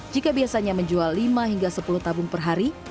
jika biasanya menjual lima hingga sepuluh tabung per hari